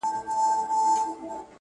و ذهن ته دي بيا د بنگړو شرنگ در اچوم.